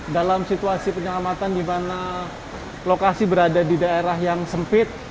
dalam situasi penyelamatan di mana lokasi berada di daerah yang sempit